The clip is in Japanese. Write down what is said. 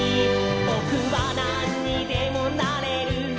「ぼくはなんにでもなれる！」